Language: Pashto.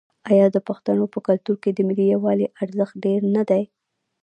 آیا د پښتنو په کلتور کې د ملي یووالي ارزښت ډیر نه دی؟